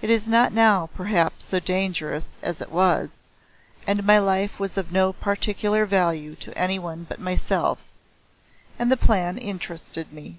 It is not now perhaps so dangerous as it was, and my life was of no particular value to any one but myself, and the plan interested me.